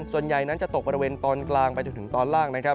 ส่วนใหญ่นั้นจะตกบริเวณตอนกลางไปจนถึงตอนล่างนะครับ